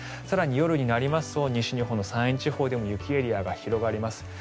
更に夜になりますと山陰地方でも雪エリアが広がります。